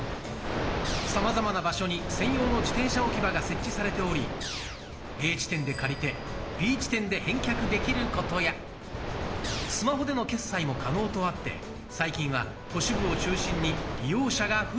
さまざまな場所に専用の自転車置き場が設置されておりＡ地点で借りてＢ地点で返却できることやスマホでの決済も可能とあって最近は都市部を中心に利用者が増えています。